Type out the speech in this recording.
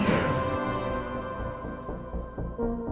aku tidak mau datang